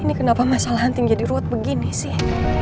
ini kenapa masalah hunting jadi ruwet begini sih